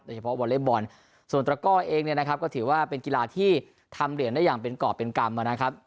เฉพาะวอเล็กบอลส่วนตระก้อเองเนี่ยนะครับก็ถือว่าเป็นกีฬาที่ทำเหรียญได้อย่างเป็นกรอบเป็นกรรมนะครับ